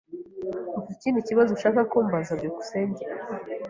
Ufite ikindi kibazo ushaka kumbaza? byukusenge